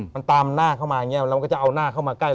มันตามหน้าเข้ามาอย่างนี้เราก็จะเอาหน้าเข้ามาใกล้